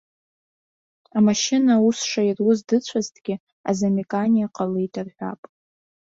Амашьына аус шаируаз дыцәазҭгьы, азамеканиа ҟалеит рҳәап.